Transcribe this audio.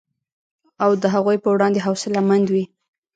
او د هغوی په وړاندې حوصله مند وي